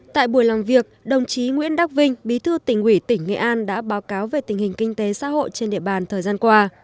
tại buổi làm việc đồng chí nguyễn đắc vinh bí thư tỉnh ủy tỉnh nghệ an đã báo cáo về tình hình kinh tế xã hội trên địa bàn thời gian qua